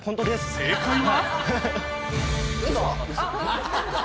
正解は？